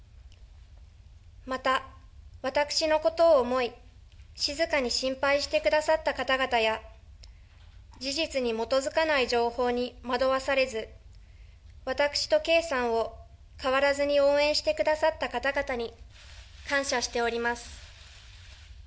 また、私のことを思い、静かに心配してくださった方々や、事実に基づかない情報に惑わされず、私と圭さんを変わらずに応援してくださった方々に、感謝しております。